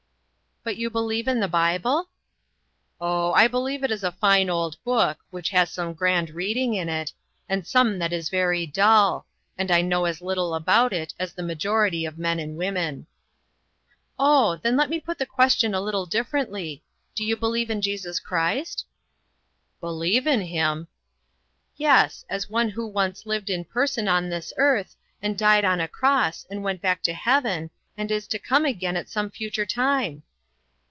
"But you believe in the Bible?" "Oh, I believe it is a fine old book, which has some grand reading in it, and some that is very dull, and I know as little about it as the majority of men and women." " Oh, then let me put the question a lit tle differently: Do you believe in Jesus Christ?" " Believe in him !"" Yes, as one who once lived in person on this earth, and died on a cross, and went back to heaven, and is to come again at some future time?"